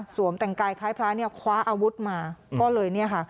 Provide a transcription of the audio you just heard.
แต่งกายคล้ายพระเนี่ยคว้าอาวุธมาก็เลยเนี่ยค่ะ